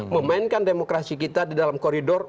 memainkan demokrasi kita di dalam koridor